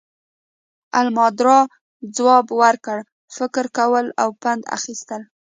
امالدرداء ځواب ورکړ، فکر کول او پند اخیستل.